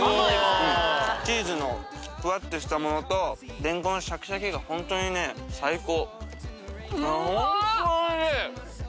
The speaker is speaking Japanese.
チーズのふわっとしたものとレンコンのシャキシャキが本当にね最高。